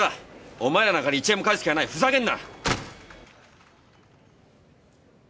お前らなんかに１円も返す気はないふざけんな！